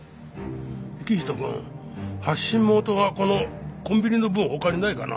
行人君発信元がこのコンビニの分他にないかな？